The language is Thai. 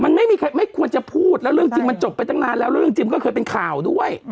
มันไม่มีใครไม่ควรจะพูดแล้วเรื่องจริงมันจบไปตั้งนานแล้วแล้วเรื่องจริงก็เคยเป็นข่าวด้วย